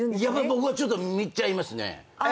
僕はちょっと見ちゃいますね。